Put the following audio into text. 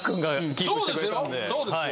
そうですよ